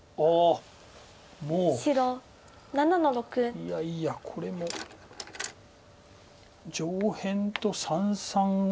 いやいやこれも上辺と三々を。